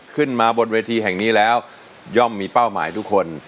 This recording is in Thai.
ขึ้นมาบนเวทีแห่งนี้แล้วย่อมมีเป้าหมายทุกคน